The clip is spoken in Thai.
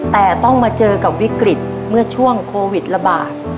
แต่ต้องมาเจอกับวิกฤตเมื่อช่วงโควิดระบาด